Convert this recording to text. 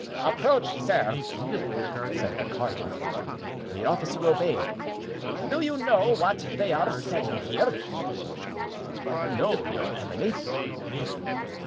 "Approach, sir," said the cardinal. The officer obeyed. "Do you know what they are saying here?" "No, your eminence."